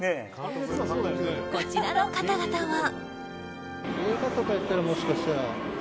こちらの方々は。